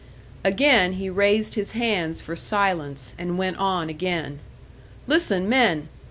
Again he raised his hands for silence, and went on again. "Listen, men.